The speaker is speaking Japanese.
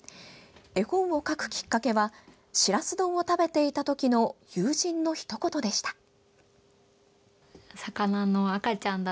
絵本を描くきっかけはしらす丼を食べていたときの友人のひと言でした。